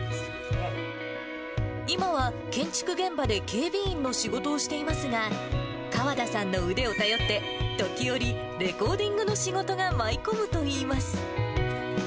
今は建築現場で警備員の仕事をしていますが、河田さんの腕を頼って、時折、レコーディングの仕事が舞い込むといいます。